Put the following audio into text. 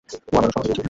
ও আবারো শহরে গিয়েছিল।